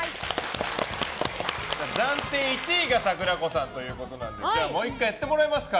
暫定１位がさくらこさんということなのでもう１回、やってもらいますか。